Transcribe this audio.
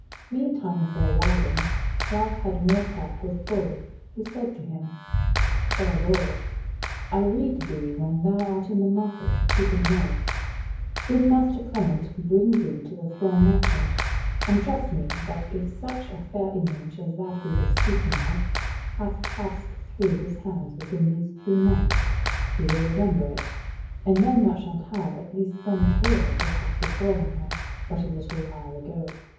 Meantime of their riding Ralph had more talk with Bull, who said to him: "Fair lord, I rede thee when thou art in the market of Cheaping Knowe, bid master Clement bring thee to the thrall merchant, and trust me that if such a fair image as that we were speaking of hath passed through his hands within these three months, he will remember it; and then thou shalt have at least some tale of what hath befallen her but a little while ago."